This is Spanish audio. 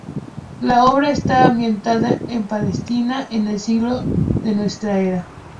La obra está ambientada en Palestina, en el siglo I de nuestra era.